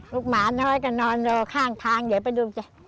หมาน้อยก็นอนรอข้างทางเดี๋ยวไปดูสิ